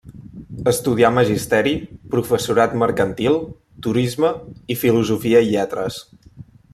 Estudià Magisteri, Professorat Mercantil, Turisme i Filosofia i Lletres.